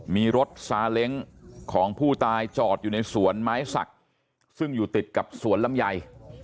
มีรถซาเล้งของผู้ตายจอดอยู่ในสวนไม้ศักดิ์ซึ่งอยู่ติดกับสวนลำไย